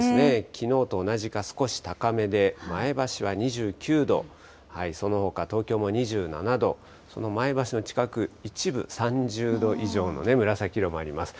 きのうと同じか、少し高めで、前橋は２９度、そのほか東京も２７度、その前橋の近く、一部３０度以上の紫色もあります。